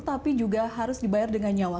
tapi juga harus dibayar dengan nyawa